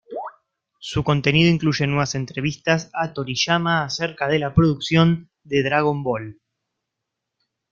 Su contenido incluye nuevas entrevistas a Toriyama acerca de la producción de "Dragon Ball".